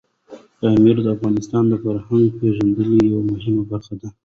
پامیر د افغانانو د فرهنګي پیژندنې یوه مهمه برخه ده.